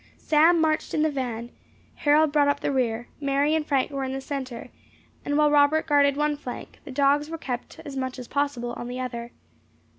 Sam marched in the van, Harold brought up the rear; Mary and Frank were in the centre, and while Robert guarded one flank, the dogs were kept as much as possible on the other.